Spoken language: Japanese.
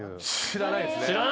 知らないですよ。